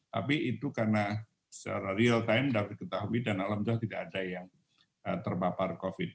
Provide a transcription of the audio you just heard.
tapi itu karena secara real time dapat diketahui dan alhamdulillah tidak ada yang terpapar covid